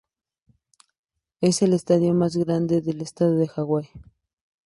Es el estadio más grande del estado de Hawái.